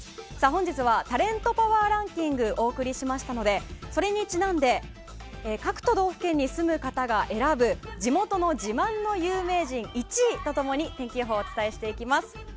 本日はタレントパワーランキングをお送りしましたのでそれにちなんで各都道府県に住む方が選ぶ地元の自慢の有名人１位と共に天気予報をお伝えしていきます。